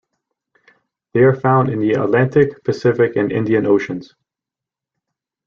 They are found in the Atlantic, Pacific and Indian Oceans.